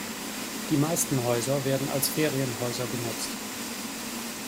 Die meisten Häuser werden als Ferienhäuser genutzt.